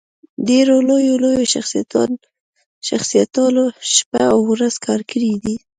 ډېرو لويو لويو شخصياتو شپه او ورځ کار کړی دی